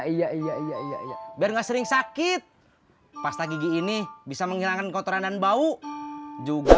iya iya iya iya biar nggak sering sakit pasta gigi ini bisa menghilangkan kotoran dan bau juga